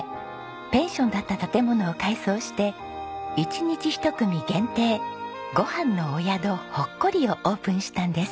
ペンションだった建物を改装して一日１組限定「ごはんのお宿ほっこり、」をオープンしたんです。